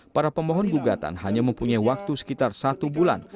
para pemohon gugatan hanya mempunyai waktu sekitar satu bulan